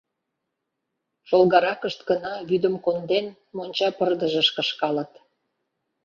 Чолгаракышт гына, вӱдым конден, монча пырдыжыш кышкалыт.